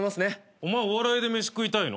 お前お笑いで飯食いたいの？